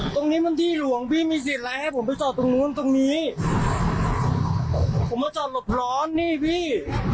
ตรงนี้มันที่หลวงพี่มีสิทธิ์อะไรให้ผมไปจอดตรงนู้นตรงนี้ผมมาจอดหลบร้อนนี่พี่